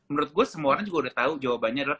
menurut gue semua orang juga udah tahu jawabannya adalah